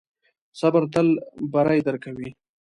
صبر تل بری درکوي.